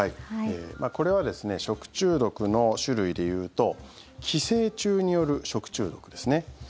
これは食中毒の種類でいうと寄生虫による食中毒ですね。